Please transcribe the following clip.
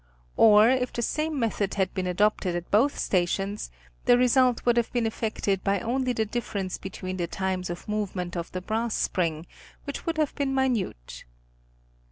Or if the same method had been adopted at both stations, the result would have been affected by only the difference between the times of movement of the brass spring which would have been minute.